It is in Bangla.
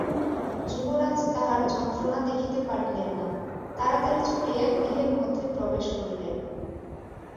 যুবরাজ তাহার যন্ত্রণা দেখিতে পারিলেন না, তাড়াতাড়ি ছুটিয়া গৃহের মধ্যে প্রবেশ করিলেন।